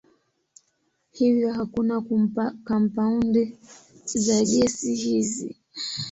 Hivyo hakuna kampaundi za gesi hizi.